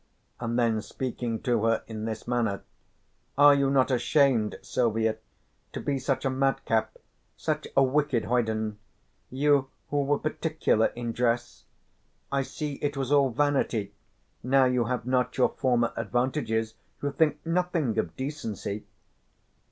And then speaking to her in this manner: "Are you not ashamed, Silvia, to be such a madcap, such a wicked hoyden? You who were particular in dress. I see it was all vanity now you have not your former advantages you think nothing of decency."